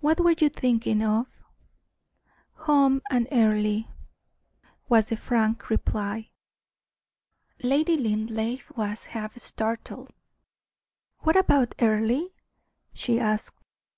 What were you thinking of?" "Home and Earle," was the frank reply. Lady Linleigh was half startled. "What about Earle?" she asked.